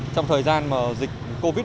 trong thời gian mà dịch covid một mươi chín